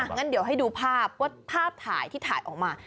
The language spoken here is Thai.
งั้นเดี๋ยวให้ดูภาพว่าภาพถ่ายที่ถ่ายออกมา